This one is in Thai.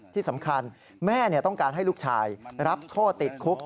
ที่สำคัญแม่ต้องการให้ลูกชายรับโทษติดคุก